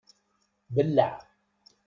Belleɛ!